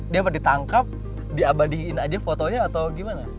dia apa ditangkap diabadin aja fotonya atau gimana